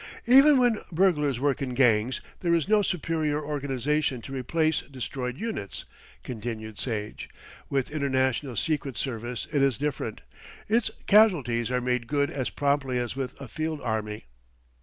"Even when burglars work in gangs, there is no superior organisation to replace destroyed units," continued Sage. "With international secret service it is different; its casualties are made good as promptly as with a field army."